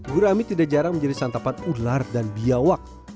gurami tidak jarang menjadi santapan ular dan biawak